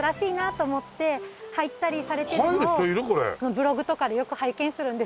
ブログとかでよく拝見するんですけど。